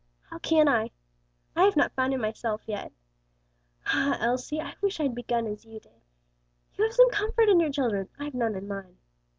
"How can I? I have not found him myself yet. Ah, Elsie, I wish I'd begun as you did. You have some comfort in your children; I've none in mine.